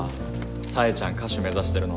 さえちゃん歌手目指してるの。